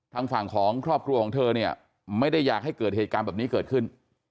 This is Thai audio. ทางฝั่งของครอบครัวของเธอเนี่ยไม่ได้อยากให้เกิดเหตุการณ์แบบนี้เกิดขึ้น